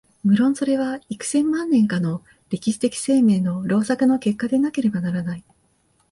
無論それは幾千万年かの歴史的生命の労作の結果でなければならない。